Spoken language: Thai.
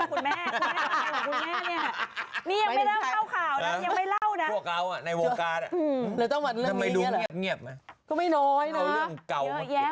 อืมอะไรนะคุณแม่คุณแม่อะไรคุณแม่เนี่ยนี่ยังไม่ได้เข้าข่าว